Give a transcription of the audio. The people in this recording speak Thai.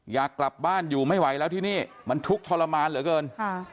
อยากกลับบ้านอยู่ไม่ไหวแล้วที่นี่มันทุกข์ทรมานเหลือเกินค่ะ